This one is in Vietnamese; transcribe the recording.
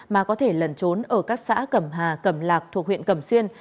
mà có thể lần trốn ở các xã cầm hà cầm lạc thuộc huyện cầm xuyên